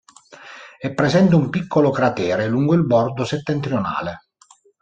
È presente un piccolo cratere lungo il bordo settentrionale.